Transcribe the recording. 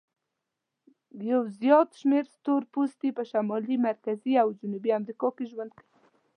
یو زیات شمیر تور پوستکي په شمالي، مرکزي او جنوبي امریکا کې ژوند کوي.